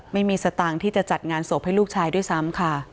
ไม่มีสตางค์ที่จะจัดงานศพให้ลูกชายด้วยซ้ำค่ะ